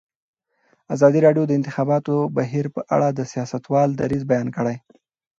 ازادي راډیو د د انتخاباتو بهیر په اړه د سیاستوالو دریځ بیان کړی.